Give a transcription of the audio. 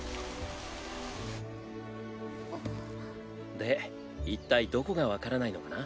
で一体どこが分からないのかな？